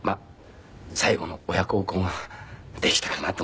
最後の親孝行ができたかなと思って。